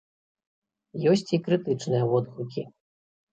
Ёсць і крытычныя водгукі.